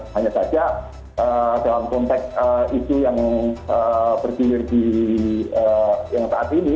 hanya saja dalam konteks isu yang bergilir di yang saat ini